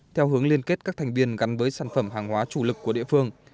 theo hướng liên kết các thành viên gắn với sản phẩm hàng hóa chủ lực của địa phương